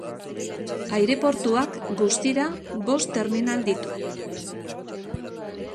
Aireportuak guztira bost terminal ditu.